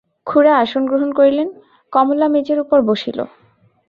খুড়া আসন গ্রহণ করিলেন, কমলা মেজের উপরে বসিল।